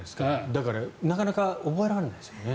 だから、なかなか覚えられないですよね。